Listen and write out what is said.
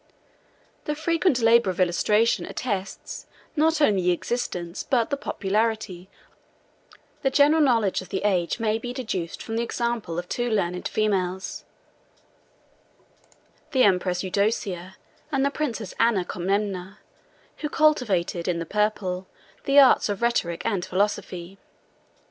The frequent labor of illustration attests not only the existence, but the popularity, of the Grecian classics: the general knowledge of the age may be deduced from the example of two learned females, the empress Eudocia, and the princess Anna Comnena, who cultivated, in the purple, the arts of rhetoric and philosophy.